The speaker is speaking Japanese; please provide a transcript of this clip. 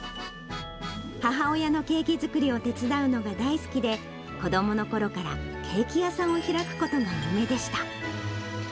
母親のケーキ作りを手伝うのが大好きで、子どものころからケーキ屋さんを開くことが夢でした。